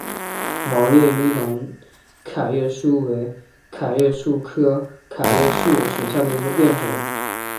毛叶云南桤叶树为桤叶树科桤叶树属下的一个变种。